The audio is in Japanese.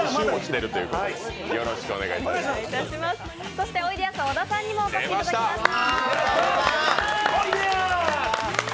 そして、おいでやす小田さんにもお越しいただきました。